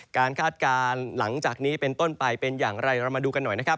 คาดการณ์หลังจากนี้เป็นต้นไปเป็นอย่างไรเรามาดูกันหน่อยนะครับ